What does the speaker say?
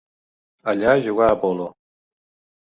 Allà jugà a polo.